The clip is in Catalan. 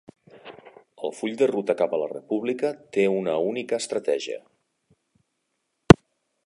El full de ruta cap a la República té una única estratègia